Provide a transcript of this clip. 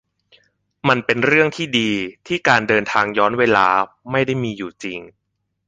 มันเป็นเรื่องที่ดีที่การเดินทางย้อนเวลาไม่ได้มีอยู่จริง